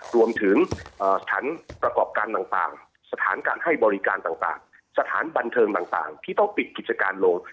รวมถึงสถานประกอบการต่างสถานการณ์ให้บริการต่างสถานบันเทิงต่างที่ต้องปิดกิจการลง